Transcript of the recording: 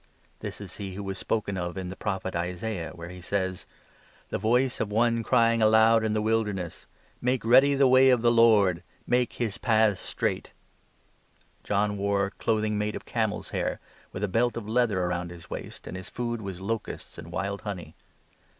This is he who was spoken of in the Prophet Isaiah, where 3 he says —' The voice of one crying aloud in the Wilderness :" Make ready the way of the Lord, Make his paths straight."' John wore clothing made of camels' hair, with a belt of 4 leather round his waist, and his food was locusts and wild honey.